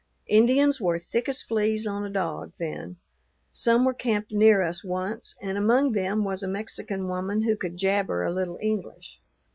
"Indians were thick as fleas on a dog then; some were camped near us once, and among them was a Mexican woman who could jabber a little English.